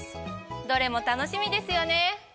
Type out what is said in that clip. どれも楽しみですよね。